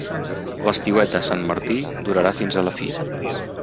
L'estiuet de sant Martí durarà fins a la fi.